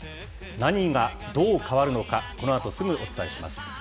何がどう変わるのか、このあとすぐお伝えします。